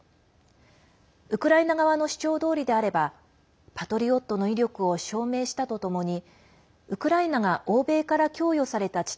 ウクライナ側の主張どおりであれば「パトリオット」の威力を証明したとともにウクライナが欧米から供与された地